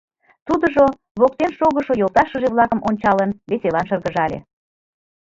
Тудыжо, воктен шогышо йолташыже-влакым ончалын, веселан шыргыжале.